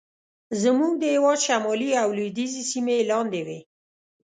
زموږ د هېواد شمالي او لوېدیځې سیمې یې لاندې وې.